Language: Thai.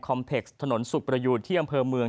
คอมเพ็กซ์ถนนสุขประหยูที่อำเภอเมือง